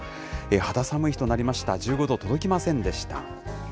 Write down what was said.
肌寒い日となりました、１５度届きませんでした。